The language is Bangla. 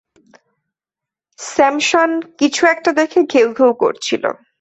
স্যামসন কিছু একটা দেখে ঘেউ ঘেউ করছিল।